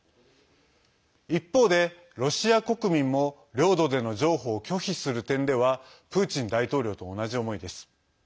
一方で、ロシア国民も領土での譲歩を拒否する点ではプーチン大統領と同じ思いです。